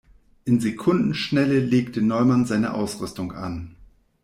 In Sekundenschnelle legte Neumann seine Ausrüstung an.